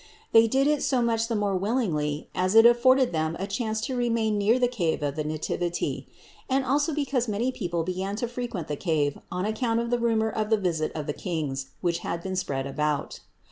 They did it so much the more willingly as it afforded them a chance to remain near the cave of the Nativity; and also because many people began to frequent the cave on ac count of the rumor of the visit of the Kings, which had been spread about.